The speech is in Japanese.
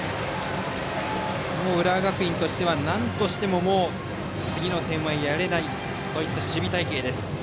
浦和学院としてはなんとしても次の点はやれないという守備隊形。